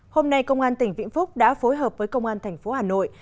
hôm nay công an tỉnh vĩnh phúc đã phối hợp với công an thành phố hà nội